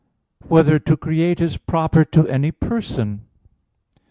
6] Whether to Create Is Proper to Any Person?